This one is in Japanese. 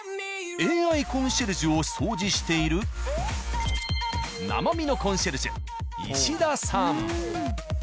ＡＩコンシェルジュを掃除している生身のコンシェルジュ石田さん。